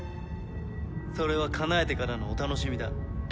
それはかなえてからのお楽しみだ。